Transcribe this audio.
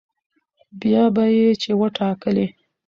بيا به يې چې وټاکلې